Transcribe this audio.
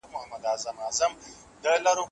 تر قیامته به اغزی سم د رقیب د خوني سترګو